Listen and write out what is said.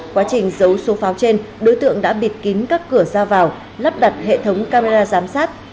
quá trình giấu số pháo trên đối tượng đã bịt kín các cửa ra vào lắp đặt hệ thống camera giám sát